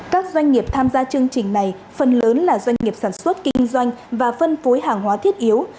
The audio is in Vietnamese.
các doanh nghiệp tham gia chương trình này phần lớn là doanh nghiệp sản xuất kinh doanh và phân phối hàng hóa thiết yếu